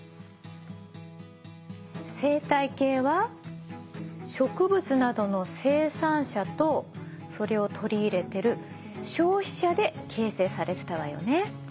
生態系は植物などの生産者とそれを取り入れてる消費者で形成されてたわよね。